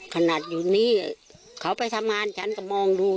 ขนาดอยู่นี่เขาไปทำงานฉันก็มองดู